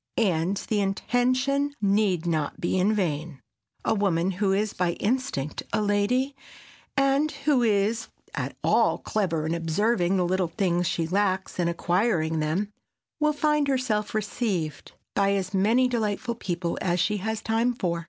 And the intention need not be in vain. A woman who is by instinct a lady, and who is at all clever in observing the little things she lacks and acquiring them, will find herself "received" by as many delightful people as she has time for.